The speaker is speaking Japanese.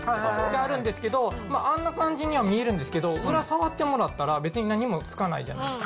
あるんですけど、あんな感じには見えるんですけど、裏触ってもらったら、別の何もつかないじゃないですか。